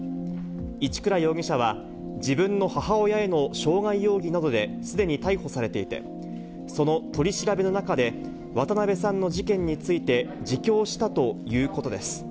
一倉容疑者は、自分の母親への傷害容疑などですでに逮捕されていて、その取り調べの中で、渡辺さんの事件について自供したということです。